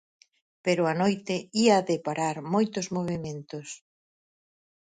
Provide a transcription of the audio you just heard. Pero a noite ía deparar moitos movementos.